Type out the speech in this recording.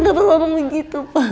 apa kenapa ngomong begitu pak